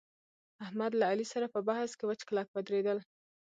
احمد له علي سره په بحث کې وچ کلک ودرېدل